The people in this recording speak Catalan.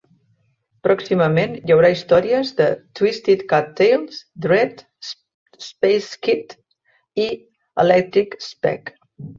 Pròximament, hi haurà històries de "Twisted Cat Tales", "Dred", "Space Squid" i "Electric Spec".